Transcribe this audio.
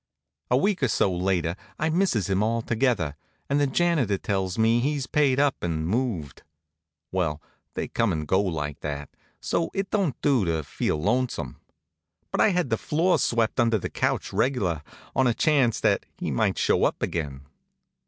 A week or so later I misses him altogether, and the janitor tells me he's paid up and moved. Well, they come and go like that, so it don't do to feel lonesome; but I had the floor swept under the couch reg'lar, on a chance that he might show up again.